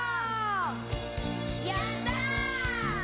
「やった」